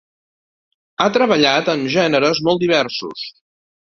Ha treballat en gèneres molt diversos.